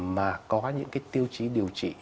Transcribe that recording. mà có những cái tiêu chí điều trị